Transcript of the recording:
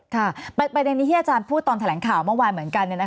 ประเด็นนี้ที่อาจารย์พูดตอนแถลงข่าวเมื่อวานเหมือนกัน